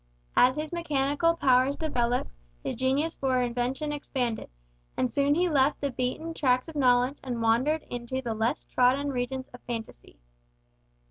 As his mechanical powers developed, his genius for invention expanded, and soon he left the beaten tracks of knowledge and wandered into the less trodden regions of fancy.